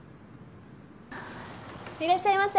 いらっしゃいませ。